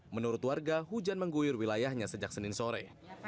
menurut warga hujan mengguyur wilayahnya sejak senin sore